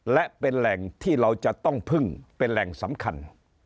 และเป็นแหล่งที่เราจะต้องพึ่งเป็นแหล่งสำคัญ